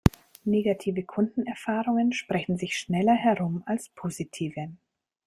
Negative Kundenerfahrungen sprechen sich schneller herum als positive.